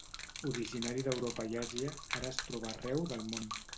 Originari d'Europa i Àsia, ara es troba arreu del món.